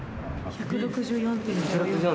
１６４．０４。